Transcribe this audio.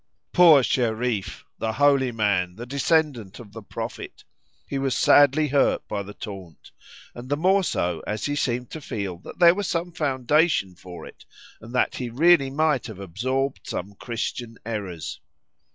Poor Shereef!—the holy man! the descendant of the Prophet!—he was sadly hurt by the taunt, and the more so as he seemed to feel that there was some foundation for it, and that he really might have absorbed some Christian errors.